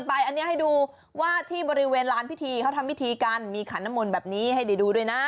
ตรงนี้ซื้อสายอันไทยที่ที่ไปให้ดูว่าที่บริเวณร้านพิธีเขาทำพิธีกันมีขันนมนตร์แบบนี้ให้ดีดูด้วยนะ